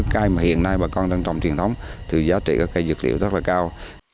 cây mà hiện nay bà con đang trồng truyền thống thì giá trị các cây dược liệu rất là cao